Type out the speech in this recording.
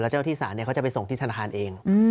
แล้วเจ้าที่สารเนี่ยเขาจะไปส่งที่ธนาคารเอง